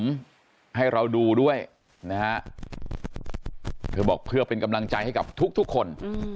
ให้เราดูด้วยนะฮะเธอบอกเพื่อเป็นกำลังใจให้กับทุกทุกคน